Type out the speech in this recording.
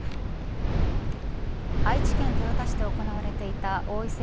愛知県豊田市で行われていた王位戦